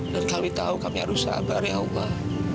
kami tahu kami harus sabar ya allah